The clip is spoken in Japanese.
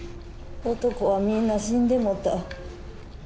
男はみんな死んでもうた。